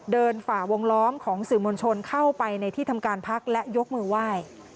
ฝ่าวงล้อมของสื่อมวลชนเข้าไปในที่ทำการพักและยกมือไหว้